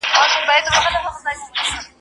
ادم خان نر و، که ښځه؟